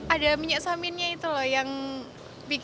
ada minyak saminnya itu loh yang bikin lagi